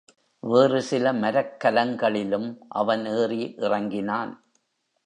வேறு சில மரக்கலங்களிலும் அவன் ஏறி இறங்கினான்.